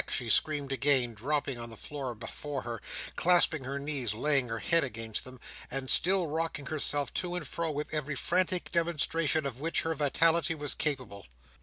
she screamed again, dropping on the floor before her, clasping her knees, laying her head against them, and still rocking herself to and fro with every frantic demonstration of which her vitality was capable.